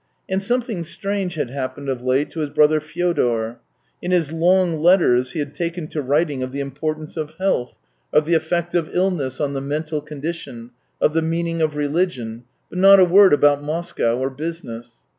And something strange had happened of late to his brother Fyodor. In his long letters he had taken to writing of the importance of health, of the effect of illness on the mental condition, of the meaning of religion, but not a word about Moscow or business.